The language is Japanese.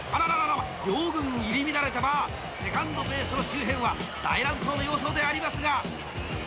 ［両軍入り乱れてセカンドベースの周辺は大乱闘の様相でありますが］